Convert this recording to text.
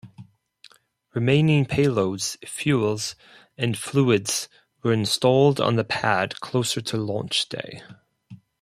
Remaining payloads, fuels and fluids were installed on the pad closer to launch day.